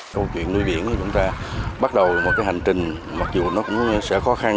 câu chuyện nuôi biển của chúng ta bắt đầu một cái hành trình mặc dù nó cũng sẽ khó khăn